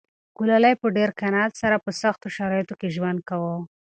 ګلالۍ په ډېر قناعت سره په سختو شرایطو کې ژوند کاوه.